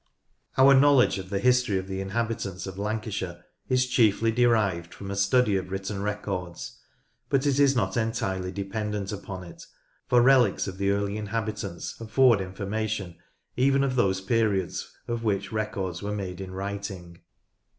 Our knowledge of the history of the inhabitants of Lancashire is chiefly derived from a study of written records, but it is not entirely dependent upon it, for relics of the early inhabitants afford information even of those periods of which records were made in writing.